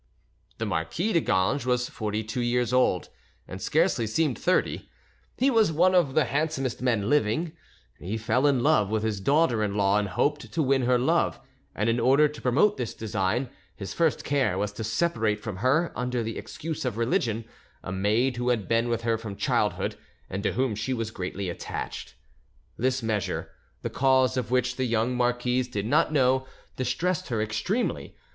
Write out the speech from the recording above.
The Marquis de Ganges was forty two veers old, and scarcely seemed thirty; he was one of the handsomest men living; he fell in love with his daughter in law and hoped to win her love, and in order to promote this design, his first care was to separate from her, under the excuse of religion, a maid who had been with her from childhood and to whom she was greatly attached. This measure, the cause of which the young marquise did not know, distressed her extremely.